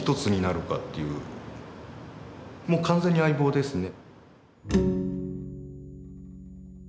もう完全に相棒ですね。